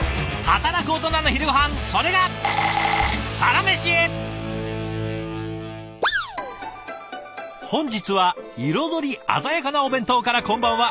働くオトナの昼ごはんそれが本日は彩り鮮やかなお弁当からこんばんは。